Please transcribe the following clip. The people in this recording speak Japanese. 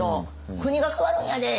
「国が変わるんやで！